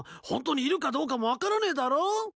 ホントにいるかどうかも分からねえだろ。